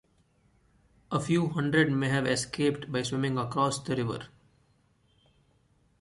A few hundred may have escaped by swimming across the river.